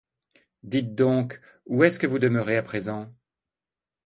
Dites donc, où est-ce que vous demeurez à présent?